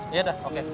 iya dah oke